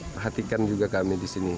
perhatikan juga kami di sini